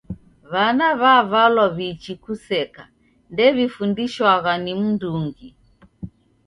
W'ana w'avalwa w'iichi kuseka ndew'ifundishwagha ni mndungi.